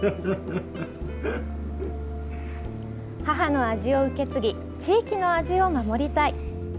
母の味を受け継ぎ地域の味を守りたい。